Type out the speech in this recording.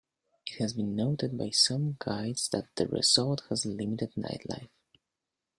It has been noted by some guides that the resort has limited night life.